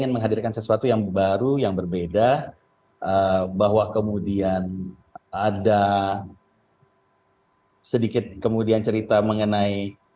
menghadirkan sesuatu yang baru yang berbeda bahwa kemudian ada sedikit kemudian cerita mengenai